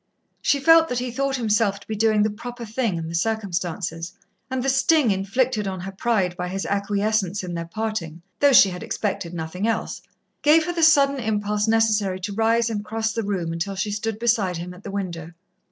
She felt that he thought himself to be doing the proper thing in the circumstances, and the sting inflicted on her pride by his acquiescence in their parting, though she had expected nothing else, gave her the sudden impulse necessary to rise and cross the room until she stood beside him at the window.